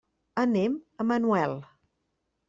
Anem a Manuel.